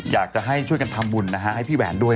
อยากจะให้ช่วยกันทำบุญนะฮะให้พี่แหวนด้วย